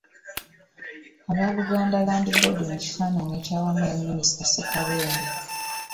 Aba Buganda Land Board mu kifaananyi ekyawamu ne Minisita Ssekabembe.